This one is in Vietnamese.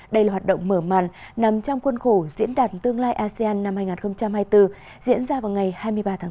đây là hoạt động mở màn nằm trong quân khổ diễn đàn tương lai asean năm hai nghìn hai mươi bốn diễn ra vào ngày hai mươi ba tháng bốn